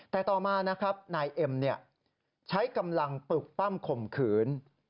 แต่ต่อมานายเอ๋ใช้กำลังปลูกปั้มข่มขึ้น